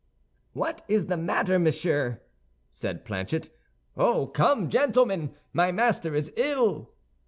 "What is the matter, monsieur?" said Planchet. "Oh, come, gentlemen, my master is ill!"